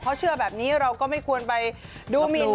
เขาเชื่อแบบนี้เราก็ไม่ควรไปดูหมิน